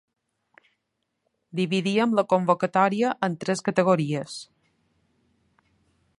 Dividíem la convocatòria en tres categories.